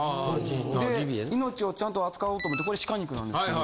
で命をちゃんと扱おうと思ってこれ鹿肉なんですけど。